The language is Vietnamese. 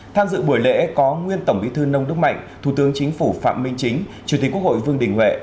tham dự buổi lễ có nguyên tổng bí thư nông đức mạnh thủ tướng chính phủ phạm minh chính chủ tịch quốc hội vương đình huệ